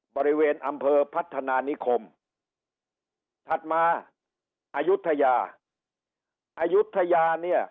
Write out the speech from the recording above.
บริเวณอำเภอพัฒนานิคมถัดมาอายุทยาอายุทยาเนี่ย